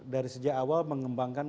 dari sejak awal mengembangkan